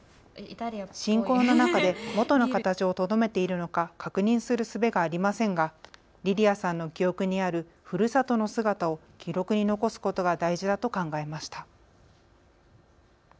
侵攻の中でもとの形をとどめているのか確かめるすべがありませんが、リリアさんの記憶にあるふるさとの姿を記録に残すことが大事だと考えました。